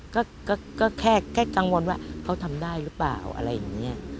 ก็แค่กังวลว่าเขาทำได้หรือเปล่าอะไรอย่างนี้